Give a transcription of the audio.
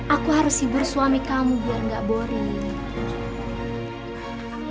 aku harus hibur suami kamu biar gak boring